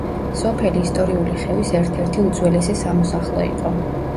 სოფელი ისტორიული ხევის ერთ-ერთი უძველესი სამოსახლო იყო.